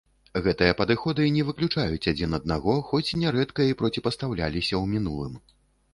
Гэтыя падыходы не выключаюць адзін аднаго, хоць нярэдка і проціпастаўляліся ў мінулым.